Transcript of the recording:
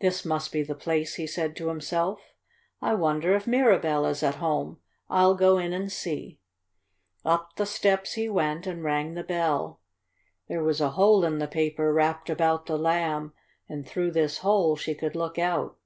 "This must be the place," he said to himself. "I wonder if Mirabell is at home. I'll go in and see." Up the steps he went and rang the bell. There was a hole in the paper wrapped about the Lamb, and through this hole she could look out.